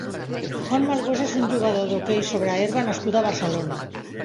Juan Malgosa és un jugador d'hoquei sobre herba nascut a Barcelona.